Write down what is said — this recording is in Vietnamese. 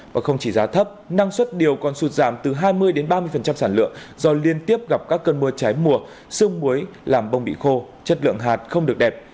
và không chỉ giá thấp năng suất điều còn sụt giảm từ hai mươi ba mươi sản lượng do liên tiếp gặp các cơn mưa trái mùa sương muối làm bông bị khô chất lượng hạt không được đẹp